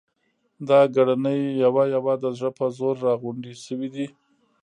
دا ګړنی یوه یوه د زړه په زور را غونډې شوې دي.